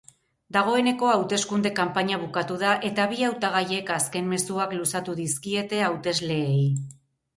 Dagoeneko hauteskunde kanpainia bukatu da eta bi hautagaiek azken mezuak luzatu dizkiete hautesleei.